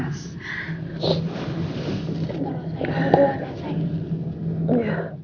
insyaallah rena baik baik aja